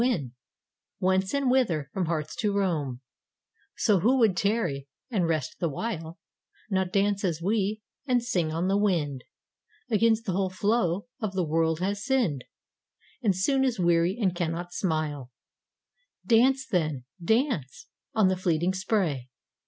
Whence and Whither, for hearts to roam. And who would stay but a little while, Not dance as we, and sing on the wind, 76 THE SONG OF THE STORM SPIRITS 77 Against the whole flow of the world has sinned, And soon is weary and cannot smile. Dance then, dance, on the fleeting spray!